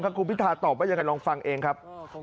ครับคุณพิธาตอบไว้อย่างกันลองฟังเองครับ